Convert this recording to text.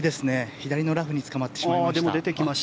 左のラフにつかまってしまいました。